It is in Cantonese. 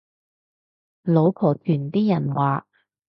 老婆團啲人話